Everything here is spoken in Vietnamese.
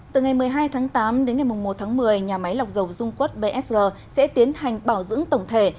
từ ngày một mươi hai tháng tám đến ngày một tháng một mươi nhà máy lọc dầu dung quất bsr sẽ tiến hành bảo dưỡng tổng thể